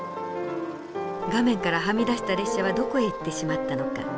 画面からはみ出した列車はどこへ行ってしまったのか？